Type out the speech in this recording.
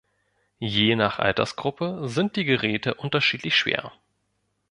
Je nach Altersgruppe sind die Geräte unterschiedlich schwer.